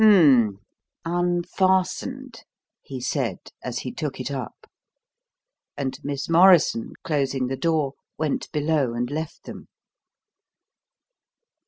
"Humph! Unfastened!" he said as he took it up; and Miss Morrison, closing the door, went below and left them.